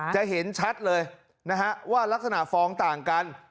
จะเห็นชัดเลยนะฮะว่ารักษณะฟองต่างกัน